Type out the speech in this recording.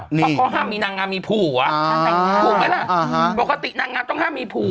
เพราะเขาห้ามมีนางงามมีผัวถูกไหมล่ะปกตินางงามต้องห้ามมีผัว